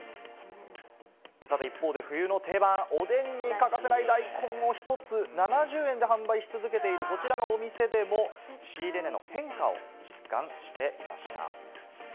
さて、一方で冬の定番、おでんに欠かせない大根を１つ７０円で販売し続けているこちらのお店でも、仕入れ値の変化を実感していました。